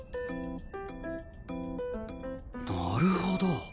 なるほど。